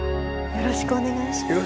よろしくお願いします。